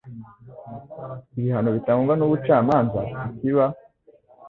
Ibihano bitangwa n'ubucamanza, ikiba